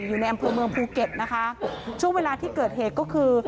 อยู่ในอำเภอเมืองภูเก็ตนะคะช่วงเวลาที่เกิดเหตุก็คือ